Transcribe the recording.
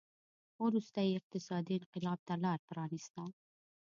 وروسته یې اقتصادي انقلاب ته لار پرانېسته.